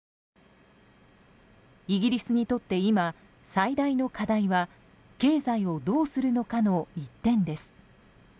イギリスにとって今、最大の課題は経済をどうするのかの一点です。